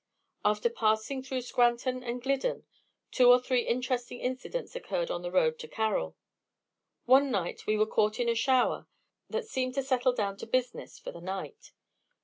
After passing through Scranton and Glidden, two or three interesting incidents occurred on the road to Carroll. One night we were caught in a shower that seemed to settle down to business for the night.